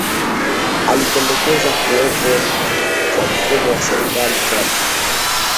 Alipendekeza kuwapo kwa mfumo wa Serikali tatu